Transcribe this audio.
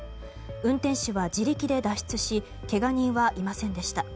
運転手は自力で脱出しけが人はいませんでした。